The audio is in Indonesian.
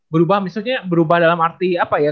berubah misalnya berubah dalam arti apa ya